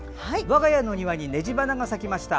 我が家の庭にネジバナが咲きました。